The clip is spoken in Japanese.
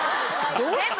どうして？